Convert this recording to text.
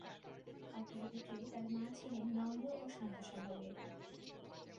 অপরদিকে তার মা ছিলেন নম্র ও শান্ত স্বভাবের।